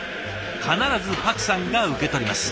必ずパクさんが受け取ります。